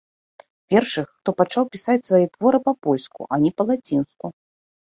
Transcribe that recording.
Першы, хто пачаў пісаць свае творы па-польску, а не па-лацінску.